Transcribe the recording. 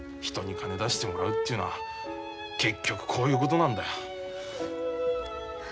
人に金出してもらうっていうのは結局こういうことなんだよ。